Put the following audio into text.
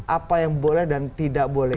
apa yang boleh dan tidak boleh